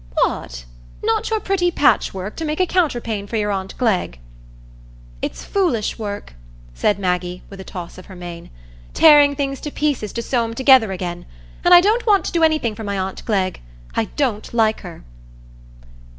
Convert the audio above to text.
"What! not your pretty patchwork, to make a counterpane for your aunt Glegg?" "It's foolish work," said Maggie, with a toss of her mane,—"tearing things to pieces to sew 'em together again. And I don't want to do anything for my aunt Glegg. I don't like her."